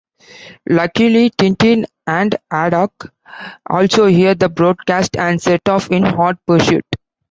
Luckily, Tintin and Haddock also hear the broadcast and set off in hot pursuit.